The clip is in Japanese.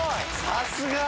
さすが！